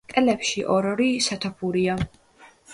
კედლებში ორ-ორი სათოფურია.